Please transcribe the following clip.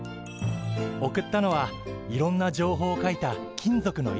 送ったのはいろんな情報を書いた金属の板だって。